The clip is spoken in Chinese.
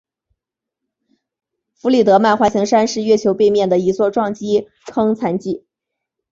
弗里德曼环形山是月球背面的一座撞击坑残迹。